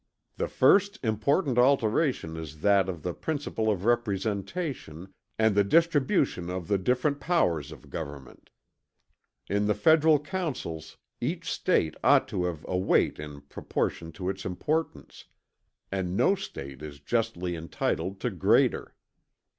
"The first important alteration is that of the principle of representation and the distribution of the different powers of government. In the federal councils, each State ought to have a weight in proportion to its importance; and no State is justly entitled to greater.